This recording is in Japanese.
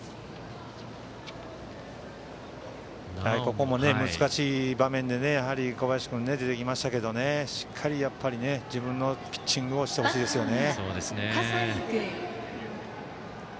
ここも難しい場面で小林君出てきましたけどしっかり自分のピッチングをしてほしいですね。